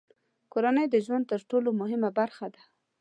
کورنۍ د ژوند تر ټولو مهمه برخه ده.